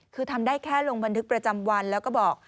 คือทำได้แค่ลงบันทึกประจำวันแล้วก็บอก